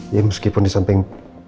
ya meskipun di samping